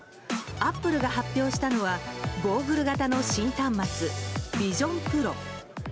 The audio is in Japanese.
アップルが発表したのはゴーグル型の新端末ＶｉｓｉｏｎＰｒｏ。